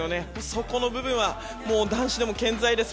その部分は男子でも健在です。